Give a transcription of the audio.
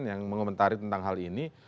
yang mengomentari tentang hal ini